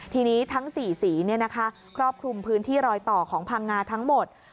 ทีนี้ทั้ง๔สีครอบคลุมพื้นที่รอยต่อของพังงาทั้งหมด